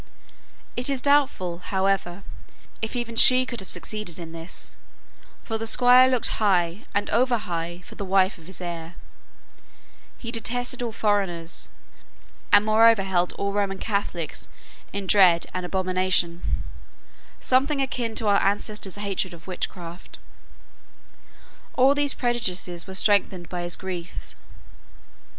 It is doubtful, however, if even she could have succeeded in this, for the Squire looked high, and over high, for the wife of his heir; he detested all foreigners, and overmore held all Roman Catholics in dread and abomination something akin to our ancestors' hatred of witchcraft. All these prejudices were strengthened by his grief.